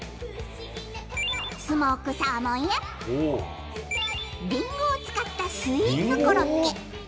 スモークサーモンやりんごを使ったスイーツコロッケ。